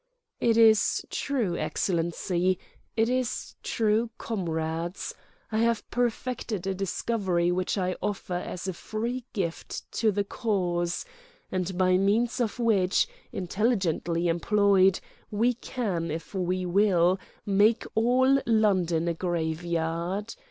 "It is true, Excellency—it is true, comrades—I have perfected a discovery which I offer as a free gift to the cause, and by means of which, intelligently employed, we can, if we will, make all London a graveyard.